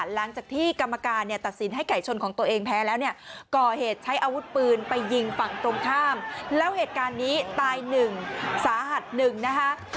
หลังจากที่กรรมการเนี่ยตัดสินให้ไก่ชนของตัวเองแพ้แล้วเนี่ยก่อเหตุใช้อาวุธปืนไปยิงฝั่งตรงข้ามแล้วเหตุการณ์นี้ตายหนึ่งสาหัสหนึ่งนะคะ